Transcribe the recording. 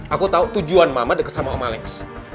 aku tau tujuan mama deket sama om alex